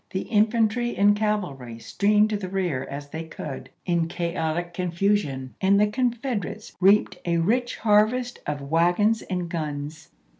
The infantry and cavalry streamed to the rear as they could, in chaotic confusion, and the Confederates reaped a rich harvest of wagons and guns.